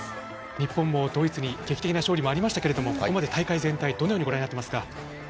日本もドイツに劇的な勝利がありましたがここまで大会全体どのようにご覧になっていますか。